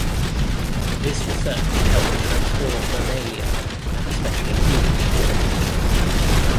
This research helped transform mammalian, and especially human, genetics.